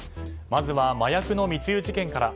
まずは麻薬の密輸事件から。